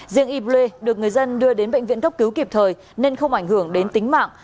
riêng yible được người dân đưa đến bệnh viện gốc cứu kịp thời nên không ảnh hưởng đến tính mạng